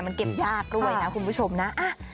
มันเก็บยากด้วยนะคุณผู้ชมนะ